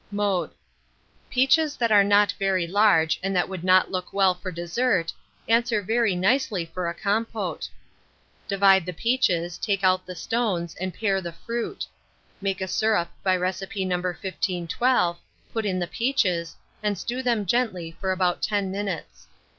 Mode. Peaches that are not very large, and that would not look well for dessert, answer very nicely for a compôte. Divide the peaches, take out the stones, and pare the fruit; make a syrup by recipe No. 1512, put in the peaches, and stew them gently for about 10 minutes.